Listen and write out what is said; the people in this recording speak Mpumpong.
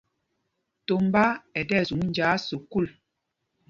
Tombá ɛ tí ɛsum njāā sukûl.